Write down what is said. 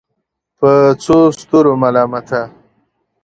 په څو ستورو ملامته